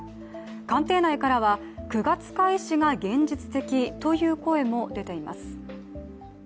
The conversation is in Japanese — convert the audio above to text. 官邸内からは、９月開始が現実的という声も出ています。